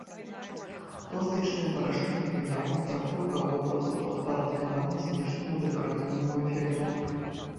Пластычнае вырашэнне выяў, трактоўка вобразаў падпарадкаваны знешняму дэкаратыўнаму эфекту.